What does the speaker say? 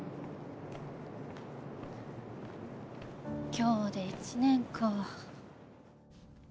今日で１年か。